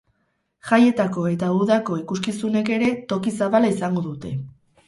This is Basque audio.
Jaietako eta udako ikuskizunek ere, toki zabala izango dute.